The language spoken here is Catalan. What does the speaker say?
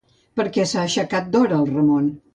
Per què s'ha aixecat d'hora el Ramon?